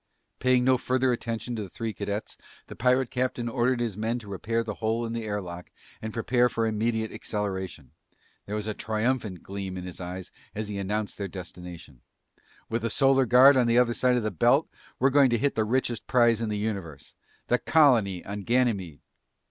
Paying no further attention to the three cadets, the pirate captain ordered his men to repair the hole in the air lock and prepare for immediate acceleration. There was a triumphant gleam in his eyes as he announced their destination. "With the Solar Guard on the other side of the belt, we're going to hit the richest prize in the universe! The colony on Ganymede!"